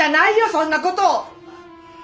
そんなこと！